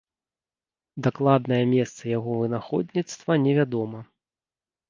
Дакладнае месца яго вынаходніцтва невядома.